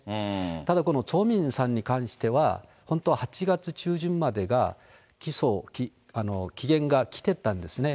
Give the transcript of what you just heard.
ただこのチョ・ミンさんに関しては、本当は８月中旬までが、起訴、期限が来てたんですね。